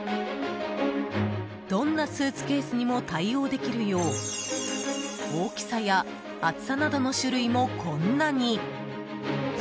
どんなスーツケースにも対応できるよう大きさや厚さなどの種類もこんなに。